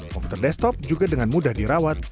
komputer desktop juga dengan mudah dirawat